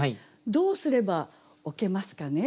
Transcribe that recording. どうすれば置けますかね？